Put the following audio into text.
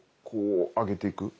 こう上げてきて。